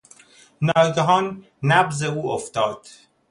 ناگهان نبض او افتاد.